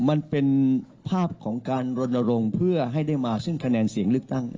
มันเป็นภาพของการลนรงเพื่อให้ได้มาขนาดเสียงลึกตั้ง